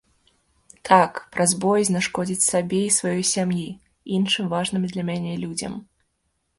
Так, праз боязь нашкодзіць сабе і сваёй сям'і, іншым важным для мяне людзям.